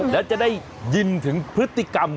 แล้วจะได้ยินถึงพฤติกรรม